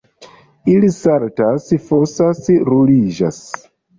Ili saltas, fosas, ruliĝas.